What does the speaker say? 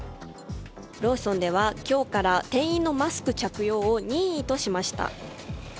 ローソンでは今日から店員のマスク着用を任意としました。